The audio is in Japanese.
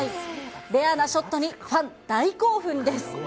レアなショットに、ファン大興奮です。